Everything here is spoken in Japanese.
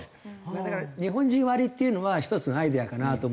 だから日本人割っていうのは一つのアイデアかなと思いますね。